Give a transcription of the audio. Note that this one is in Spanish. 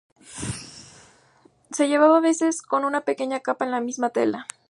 Se llevaba a veces con una pequeña capa en la misma tela.